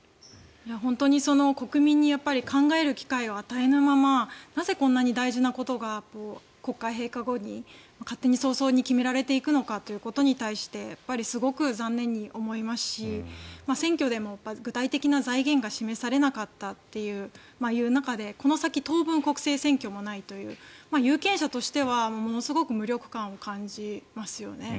本当に国民に考える機会を与えぬままなぜこんなに大事なことが国会閉会後に勝手に早々に決められていくのかということに対してすごく残念に思いますし選挙でも具体的な財源が示されなかったという中でこの先、当分国政選挙もないという有権者としてはものすごく無力感を感じますよね。